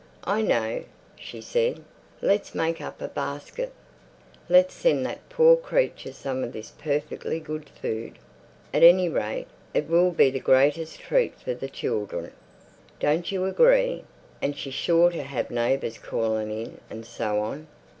"I know," she said. "Let's make up a basket. Let's send that poor creature some of this perfectly good food. At any rate, it will be the greatest treat for the children. Don't you agree? And she's sure to have neighbours calling in and so on.